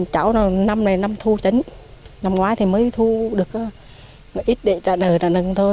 cháu năm này năm thu chấn năm ngoái thì mới thu được ít để trả đời là nâng thôi